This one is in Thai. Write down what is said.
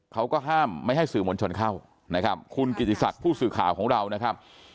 เขาก็ห้ามไม่ให้สื่อมวลชนเข้านะครับคุณกิติศักดิ์ผู้สื่อข่าวของเรานะครับ